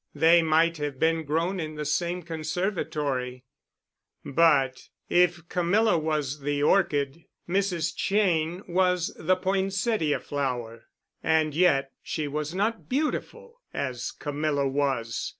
They might have been grown in the same conservatory, but, if Camilla was the Orchid, Mrs. Cheyne was the Poinsettia flower. And yet she was not beautiful as Camilla was.